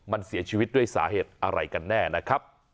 มันเสียชีวิตด้วยสาเหตุอะไรกันแน่นะครับ